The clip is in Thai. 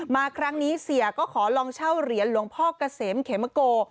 มาครั้งนี้เสียก็ขอลองเช่าเหรียญหลวงพ่อเกษมเขมโก